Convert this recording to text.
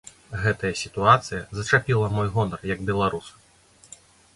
Гэтая сітуацыя зачапіла мой гонар, як беларуса.